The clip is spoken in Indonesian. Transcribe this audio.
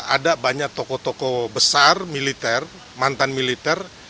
ada banyak tokoh tokoh besar militer mantan militer